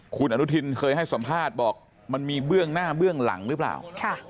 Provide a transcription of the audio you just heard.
คุณอนุทินเคยให้สัมภาษณ์บอกมันมีเบื้องหน้าเบื้องหลังหรือเปล่า